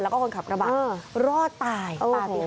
แล้วก็คนขับกระบะรอดตายปลาปิหาร